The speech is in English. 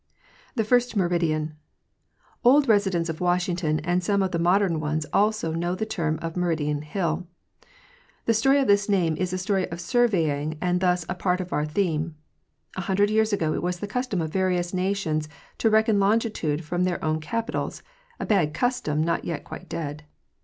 The First Meridian.—Old residents of Washington and some of the modern ones also know the term Meridian hill. The story of this name is a story of surveying and thus a part of our theme. A hundred years ago it was the custom of various nations to reckon longitude from their own capitals—a bad custom not yet quite dead.